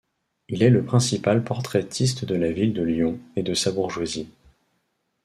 Il est le principal portraitiste de la ville de Lyon et de sa bourgeoisie.